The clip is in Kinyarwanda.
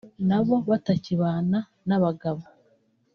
nabo batakibana n’abagabo